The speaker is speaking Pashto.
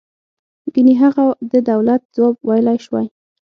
گني هغه د دولت ځواب ویلای شوی.